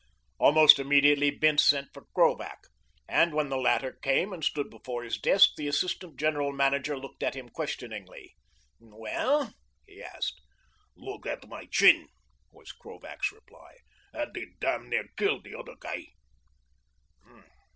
Almost immediately Bince sent for Krovac, and when the latter came and stood before his desk the assistant general manager looked up at him questioningly. "Well?" he asked. "Look at my chin," was Krovac's reply, "and he damn near killed the other guy."